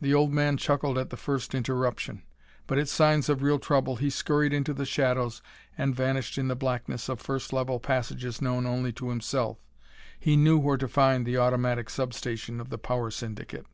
The old man chuckled at the first interruption. But at signs of real trouble he scurried into the shadows and vanished in the blackness of first level passages known only to himself. He knew where to find the automatic sub station of the Power Syndicate.